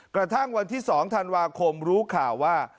กระทั่งวันที่๒ธันวาคมรู้ข่าวว่า